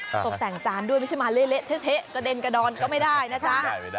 ตกแต่งจานด้วยไม่ใช่มาเละเทะกระเด็นกระดอนก็ไม่ได้นะจ๊ะ